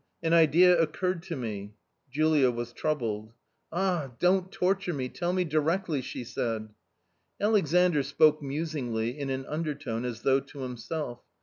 an idea occurred to me." Julia was troubled. " Ah ! don't torture me, tell me directly !" she said. Aiexandr spoke musingly in an undertone as though to himself.